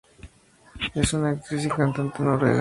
Es una actriz y cantante noruega.